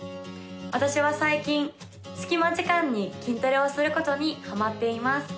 私は最近隙間時間に筋トレをすることにハマっています